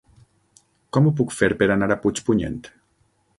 Com ho puc fer per anar a Puigpunyent?